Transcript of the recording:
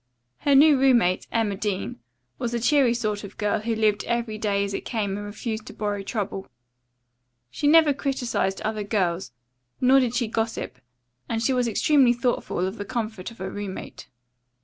Her new roommate, Emma Dean, was a cheery sort of girl who lived every day as it came and refused to borrow trouble. She never criticized other girls, nor did she gossip, and she was extremely thoughtful of the comfort of her roommate.